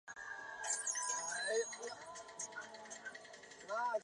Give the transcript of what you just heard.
其产品为同德代工生产。